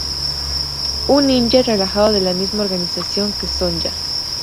Un ninja relajado de la misma organización que Sonya.